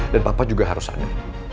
dan papa juga harus ada